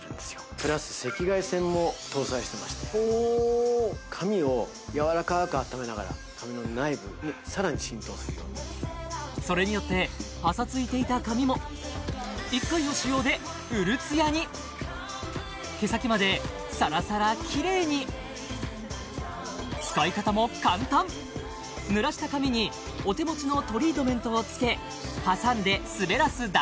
プラス赤外線も搭載してまして髪をやわらかくあっためながら髪の内部にさらに浸透するようにそれによってパサついていた髪も１回の使用で潤ツヤに毛先までサラサラキレイに使い方も簡単濡らした髪にお手持ちのえ